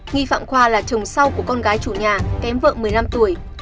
nghi phạm khoa là chồng sau của con gái chủ nhà kém vợ một mươi năm tuổi